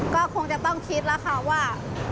ก็คงจะต้องคิดแล้วค่ะว่า